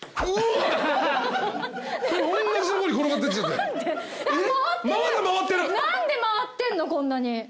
こんなに。